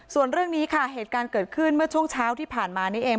ส่วนเรื่องนี้ค่ะเหตุการณ์เกิดขึ้นเมื่อช่วงเช้าที่ผ่านมานี่เอง